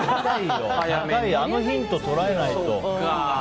あのヒント、捉えないと。